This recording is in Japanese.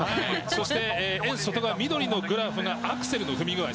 そして円の外側、緑のグラフがアクセルの踏み具合。